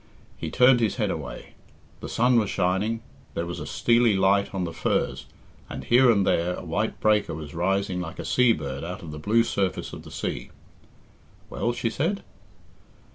He turned his head away. The sun was shining; there was a steely light on the firs, and here and there a white breaker was rising like a sea bird out of the blue surface of the sea. "Well?" she said.